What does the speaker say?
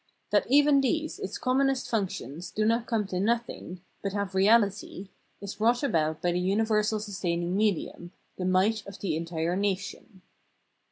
That even these, its commonest functions, do not come to nothing, but have reality, is brought about by the universal sustaining medium, the might of the entire nation.